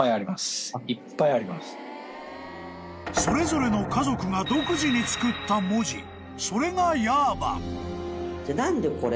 ［それぞれの家族が独自に作った文字］